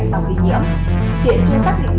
sau khi nhiễm hiện chưa xác định